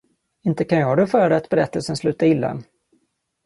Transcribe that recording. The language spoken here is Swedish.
Inte kan jag rå för att berättelsen slutade illa.